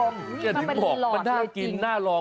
นี่มันเป็นก๋วยหลอดเลยจริงมันน่ากินน่ารอง